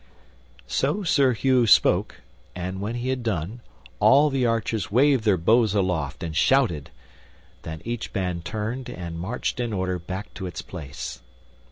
So Sir Hugh spoke, and when he had done all the archers waved their bows aloft and shouted. Then each band turned and marched in order back to its place.